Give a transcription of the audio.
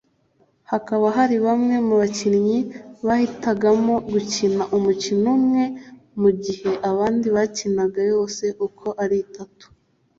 Hakaba hari bamwe mu bakinnyi bahitagamo gukina umukino umwe mu gihe abandi bayikinaga yose uko ari itatu